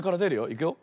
いくよ。